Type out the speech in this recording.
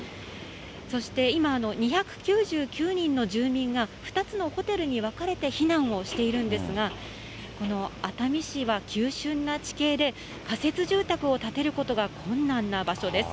そして今、２９９人の住民が、２つのホテルに分かれて避難をしているんですが、この熱海市は急しゅんな地形で、仮設住宅を建てることが困難な場所です。